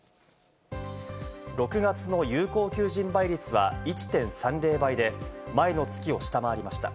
６月の有効求人倍率は１．３０倍で、前の月を下回りました。